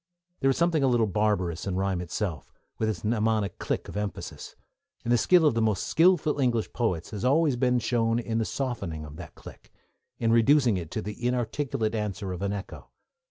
There is something a little barbarous in rhyme itself, with its mnemonic click of emphasis, and the skill of the most skilful English poets has always been shown in the softening of that click, in reducing it to the inarticulate answer of an echo.